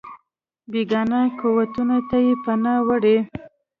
بېګانه قوتونو ته یې پناه وړې.